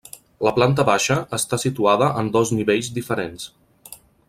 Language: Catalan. La planta baixa està situada en dos nivells diferents.